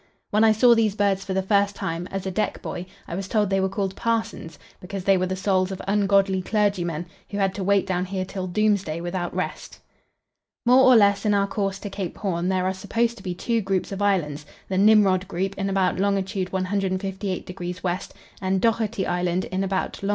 When I saw these birds for the first time, as a deck boy, I was told they were called parsons, because they were the souls of ungodly clergymen, who had to wait down here till doomsday without rest. More or less in our course to Cape Horn there are supposed to be two groups of islands, the Nimrod group in about long. 158° W., and Dougherty Island in about long.